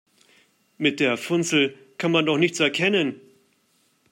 Mit der Funzel kann man doch nichts erkennen.